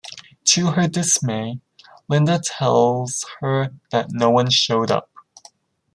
To her dismay, Linda tells her that no one showed up.